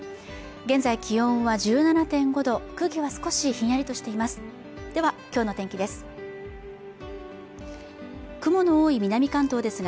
現在気温は１７．５度空気は少しひんやりとしていますでは今日の天気です